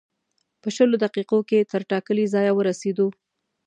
په شلو دقیقو کې تر ټاکلي ځایه ورسېدو.